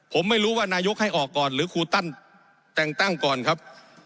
ผมไม่รู้ว่านายกให้ออกก่อนหรือครูตั้นแต่งตั้งก่อนครับ